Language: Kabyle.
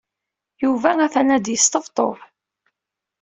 Yuba atan la d-yesṭebṭub.